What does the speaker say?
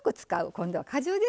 今度は果汁ですね。